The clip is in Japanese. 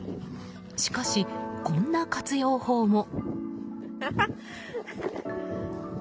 しかし、こんな活用法も。